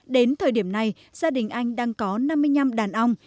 đến thời điểm này gia đình anh đang có năm mươi năm đàn ong